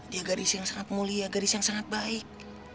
dia gadis yang sangat mulia gadis yang sangat baik